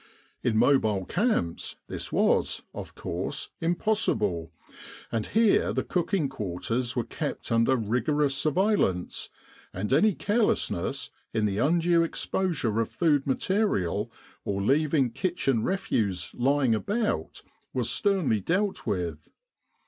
In mobile camps this was, of course, impossible, and here the cooking quarters were kept under rigorous surveillance, and any care lessness in the undue exposure of food material, or leaving kitchen refuse lying about, was sternly dealt with.